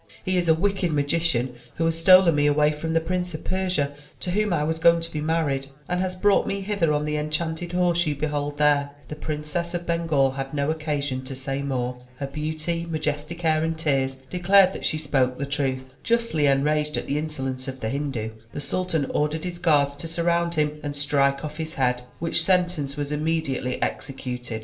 He is a wicked magician who has stolen me away from the Prince of Persia to whom I was going to be married, and has brought me hither on the enchanted horse you behold there/' The Princess of Bengal had no occasion to say more. Her beauty, majestic air and tears, declared that she spoke the truth. Justly enraged at the insolence of the Hindu, the sultan ordered his guards to surround him and strike off his head, which sentence was immediately executed.